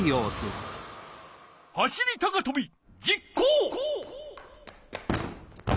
走り高とび実行！